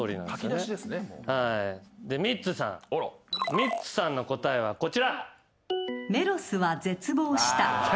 ミッツさんの答えはこちら。